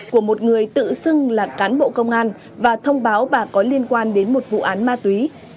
của một người tự xưng là cán bộ công an và thông báo bà có liên quan đến một vụ án ma túy